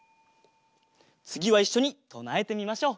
つぎはいっしょにとなえてみましょう。